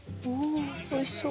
おいしそう！